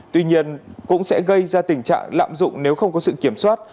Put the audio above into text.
tuy nhiên cũng sẽ gây ra tình trạng lạm dụng nếu không có sự kiểm soát